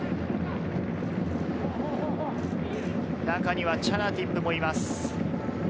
中にはチャナティップもいます。